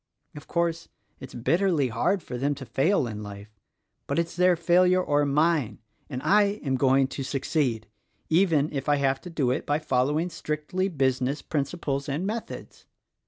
Of course, it's bitterly hard for them to fail in life — but it's their failure or mine: and I am going to succeed, even if I have to do it by following strictly business principles and methods.